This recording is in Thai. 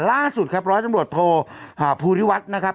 ล่าสุดครับร้อยจังหวัดโทษอ่าภูทิวัฒน์นะครับ